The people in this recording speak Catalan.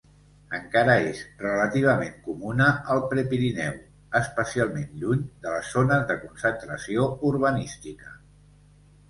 Encara és relativament comuna al Prepirineu, especialment lluny de les zones de concentració urbanística.